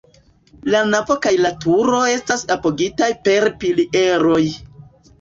La navo kaj la turo estas apogitaj per pilieroj.